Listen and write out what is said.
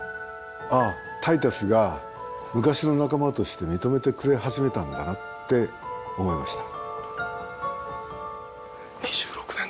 「ああタイタスが昔の仲間として認めてくれ始めたんだな」って思いました。